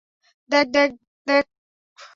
দেখ দেখ দেখ!